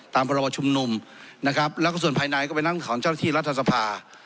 พรบชุมนุมนะครับแล้วก็ส่วนภายในก็ไปนั่งของเจ้าหน้าที่รัฐสภา